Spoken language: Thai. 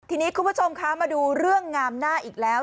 ทีนี้คุณผู้ชมคะมาดูเรื่องงามหน้าอีกแล้ว